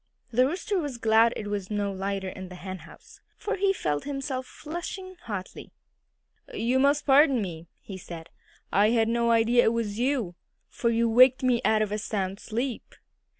The Rooster was glad it was not lighter in the henhouse, for he felt himself flushing hotly. "You must pardon me," he said. "I had no idea it was you, for you waked me out of a sound sleep."